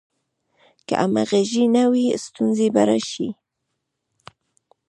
که همغږي نه وي، ستونزې به راشي.